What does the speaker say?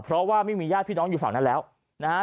เพราะว่าไม่มีญาติพี่น้องอยู่ฝั่งนั้นแล้วนะฮะ